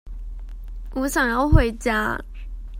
我想要回家